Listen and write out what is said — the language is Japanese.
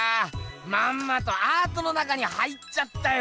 まんまとアートの中に入っちゃったよ！